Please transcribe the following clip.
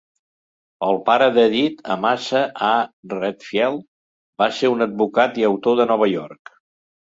El pare de Edith, Amasa A. Redfield, va ser un advocat i autor de Nova York.